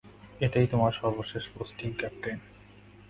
এটাই তোমার সর্বশেষ পোস্টিং, ক্যাপ্টেন।